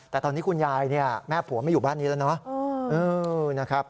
แต่ตอนนี้คุณยายเนี่ยแม่ผัวไม่อยู่บ้านนี้แล้วเนาะ